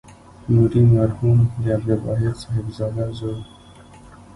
نوري مرحوم د عبدالواحد صاحبزاده زوی.